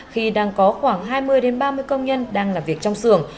khi đang có khoảng hai mươi ba mươi công nhân đang làm việc trong xưởng